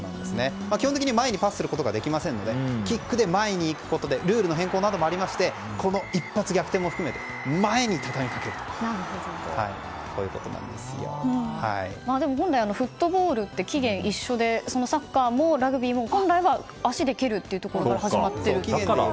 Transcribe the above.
基本的に、前にパスをすることができませんのでキックで前に行くことでルールの変更などもありまして一発逆転などもありまして前に畳みかけるでも、本来はフットボールって起源は一緒で、サッカーもラグビーも本来は足で蹴るところから始まっているという。